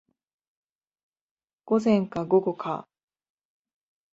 午前か午後か